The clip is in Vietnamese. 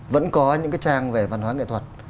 vẫn có những cái trang về văn hóa nghệ thuật